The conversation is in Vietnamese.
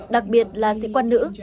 đặc biệt là sĩ quan nữ